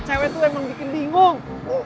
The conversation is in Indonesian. cewek itu emang bikin bingung